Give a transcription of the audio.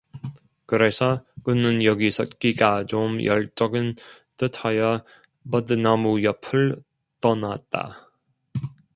그래서 그는 여기 섰기가 좀 열적은 듯하여 버드나무 옆을 떠났다.